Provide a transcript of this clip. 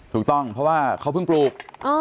ถูกต้องเพราะว่าเขาเพิ่งปลูก